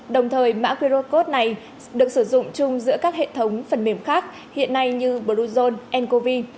đồng thời mã qr code này được sử dụng chung giữa các hệ thống phần mềm khác hiện nay như bluezone ncov